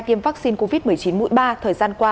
tiêm vaccine covid một mươi chín mũi ba thời gian qua